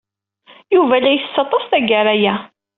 Yuba la isess aṭas tagara-a.